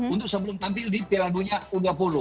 untuk sebelum tampil di piala dunia u dua puluh